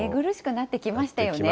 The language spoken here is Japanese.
なってきましたね。